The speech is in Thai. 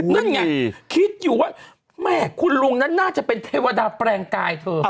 นั่นไงคิดอยู่ว่าแม่คุณลุงนั้นน่าจะเป็นเทวดาแปลงกายเธอ